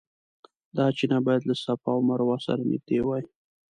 دا چینه باید له صفا او مروه سره نږدې وای.